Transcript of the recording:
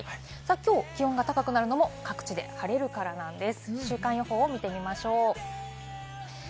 きょう、気温が高くなるのも各地で晴れるからなんです。